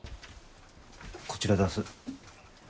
こちらだす。